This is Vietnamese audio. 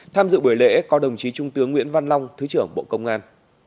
tham dự buổi lễ có đồng chí trung tướng nguyễn văn long thứ trưởng bộ công an